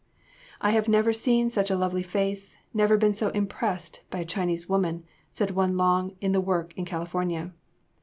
"I have never seen such a lovely face, never been so impressed by a Chinese woman," said one long in the work in California.